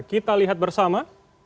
kita lihat bersama